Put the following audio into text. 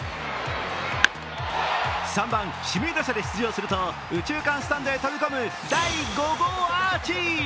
３番・指名打者で出場すると右中間スタンドへ飛び込む第５号アーチ。